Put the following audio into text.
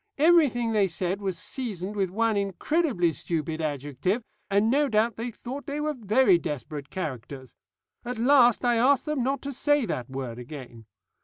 Everything they said was seasoned with one incredibly stupid adjective, and no doubt they thought they were very desperate characters. At last I asked them not to say that word again.